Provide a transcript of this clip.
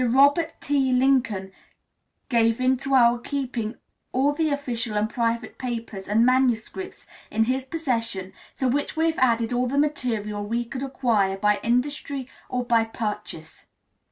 Robert T. Lincoln gave into our keeping all the official and private papers and manuscripts in his possession, to which we have added all the material we could acquire by industry or by purchase.